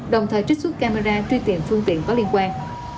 đồng thời trích xuất camera truy tìm phương tiện có liên quan